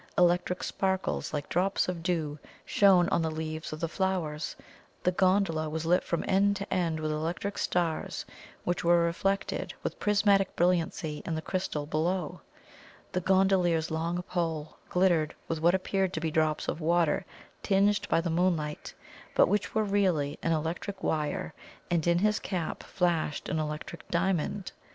Electric sparkles, like drops of dew, shone on the leaves of the flowers; the gondola was lit from end to end with electric stars, which were reflected with prismatic brilliancy in the crystal below; the gondolier's long pole glittered with what appeared to be drops of water tinged by the moonlight, but which was really an electric wire, and in his cap flashed an electric diamond.